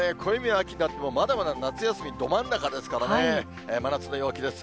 暦は秋になっても、まだまだ夏休みど真ん中ですからね、真夏の陽気です。